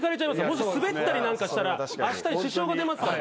もしスベったりなんかしたらあしたに支障が出ますからね。